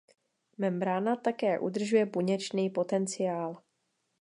Membrána také udržuje buněčný potenciál.